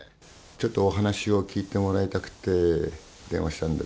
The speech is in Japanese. ちょっとお話を聞いてもらいたくて電話したんですけど。